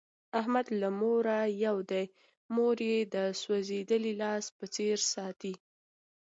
احمد له موره یو دی، مور یې د سوزېدلي لاس په څیر ساتي.